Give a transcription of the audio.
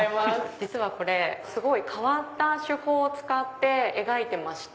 実はすごい変わった手法を使って描いてまして。